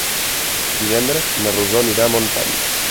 Divendres na Rosó anirà a Montant.